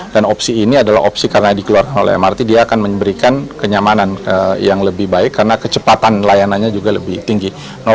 dan opsi ini adalah opsi karena dikeluarkan oleh mrt dia akan memberikan kenyamanan yang lebih baik karena kecepatan layanannya juga lebih tinggi